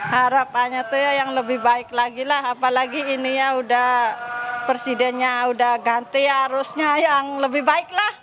harapannya itu yang lebih baik lagi lah apalagi ini ya sudah presidennya sudah ganti arusnya yang lebih baik lah